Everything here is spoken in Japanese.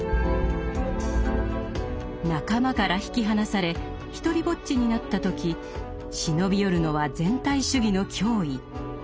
「仲間」から引き離され独りぼっちになった時忍び寄るのは全体主義の脅威。